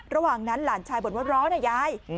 ระหว่างนั้นหลานชายบ่นว่าร้อนนะยาย